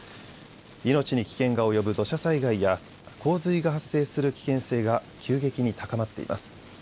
命に危険が及ぶ土砂災害や洪水が発生する危険性が急激に高まっています。